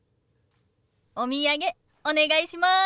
お土産お願いします。ＯＫ。